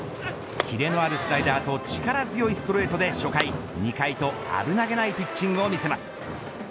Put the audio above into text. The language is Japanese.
キレのあるスライダーと力強いストレートで初回、２回と危なげないピッチングを見せます。